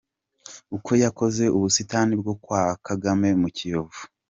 Uko yakoze ubusitani bwo kwa Kagame mu Kiyovu.